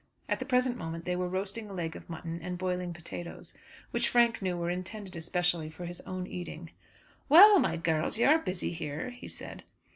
At the present moment they were roasting a leg of mutton and boiling potatoes, which Frank knew were intended especially for his own eating. "Well, my girls, you are busy here," he said.